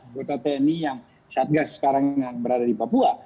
kota tni yang satgas sekarang yang berada di papua